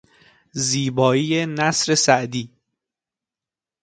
زیبایی نثر سعدی